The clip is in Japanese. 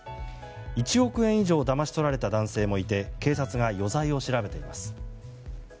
１個円以上だまし取られた男性もいて警察が余罪を調べています。